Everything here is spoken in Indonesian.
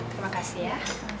terima kasih ya